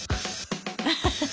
アハハッ。